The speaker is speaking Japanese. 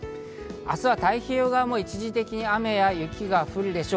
明日は太平洋側も一時的に雨や雪が降るでしょう。